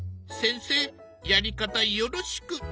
先生やり方よろしく！